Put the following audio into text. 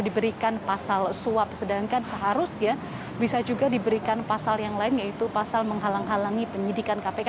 diberikan pasal suap sedangkan seharusnya bisa juga diberikan pasal yang lain yaitu pasal menghalang halangi penyidikan kpk